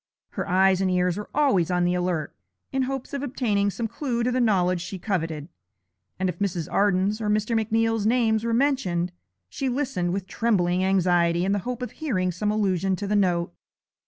Her eyes and ears were always on the alert, in hopes of obtaining some clue to the knowledge she coveted, and if Mrs. Arden's or Mr. McNeal's names were mentioned she listened with trembling anxiety in the hope of hearing some allusion to the note.